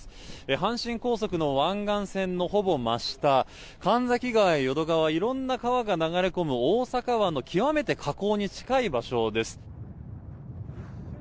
阪神高速の湾岸線のほぼ真下淀川など、いろんな川が流れ込む大阪湾の極めて河口に近い場所です。